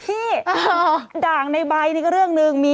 ด่างในใบนี่ก็เรื่องหนึ่ง